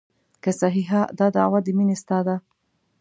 که صحیحه دا دعوه د مینې ستا ده.